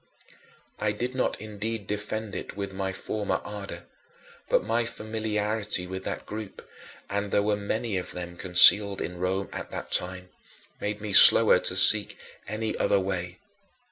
I did not indeed defend it with my former ardor; but my familiarity with that group and there were many of them concealed in Rome at that time made me slower to seek any other way.